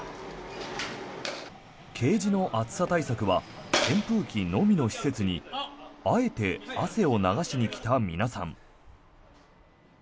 ケージの暑さ対策は扇風機のみの施設にあえて汗を流しに来た皆さん。